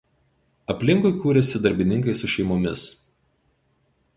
Aplinkui kūrėsi darbininkai su šeimomis.